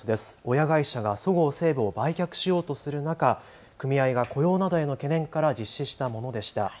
親会社がそごう・西武を売却しようとする中、組合が雇用などへの懸念から実施したものでした。